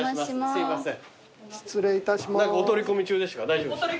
すいません。